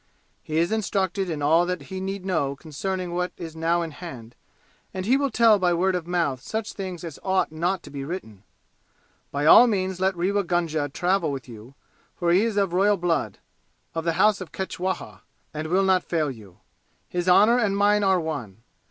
He is instructed in all that he need know concerning what is now in hand, and he will tell by word of mouth such things as ought not to be written. By all means let Rewa Gunga travel with you, for he is of royal blood, of the House of Ketchwaha and will not fail you. His honor and mine are one.